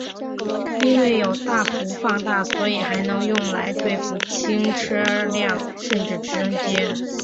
因为有大幅放大所以还能用来对付轻车辆甚至直升机。